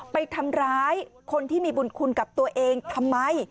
ไปทำร้ายคนที่มีบุญคุณกับตัวเองทำไม